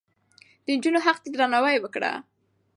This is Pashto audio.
د نجونو حق ته درناوی وکړه.